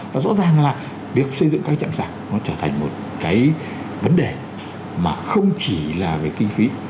và rõ ràng là việc xây dựng các chạm sạc nó trở thành một cái vấn đề mà không chỉ là về kinh phí